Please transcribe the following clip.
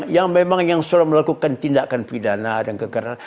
yang memang yang sudah melakukan tindakan pidana dan kekerasan